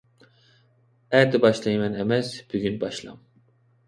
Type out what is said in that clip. ئەتە باشلايمەن ئەمەس، بۈگۈن باشلاڭ.